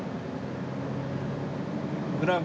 グラン？